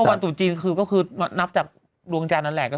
แล้วก็วันสู่จีนก็คือนับจากรวงจานั่นแหละ